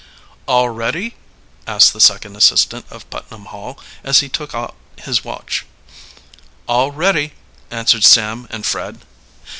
"All ready?" asked the second assistant of Putnam Hall, as he took out his watch. "All ready," answered Sam and Fred.